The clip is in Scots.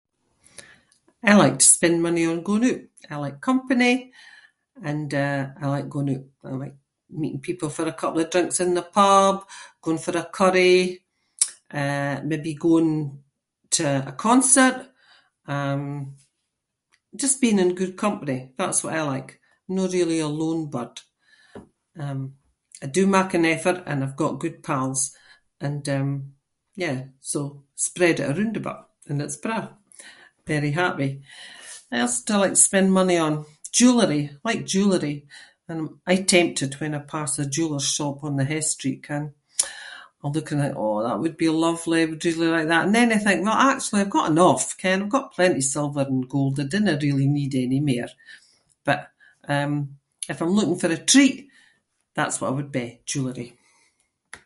I like to spend money on going oot. I like company and, uh, I like going oot and I like meeting people for a couple of drinks in the pub, going for a curry, eh, maybe going to a concert, um, just being in good company, that’s what I like- no really a lone bird. Um, I do make an effort and I’ve got good pals and, um, yeah, so spread it aroond a bit and it’s braw. Very happy. What else do I like to spend money on? Jewellery. I like jewellery and I’m aie tempted when I pass the jeweller’s shop on the hight street, ken? I’m looking like “oh that would be lovely, would really like that” and then I think “no actually, I’ve got enough”, ken? I’ve got plenty silver and gold, I dinna really need any mair, but, um, if I’m looking for a treat that’s what it would be – jewellery.